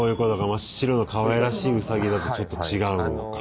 真っ白のかわいらしいウサギだとちょっと違うのか。